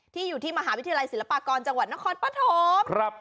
อยู่ที่มหาวิทยาลัยศิลปากรจังหวัดนครปฐม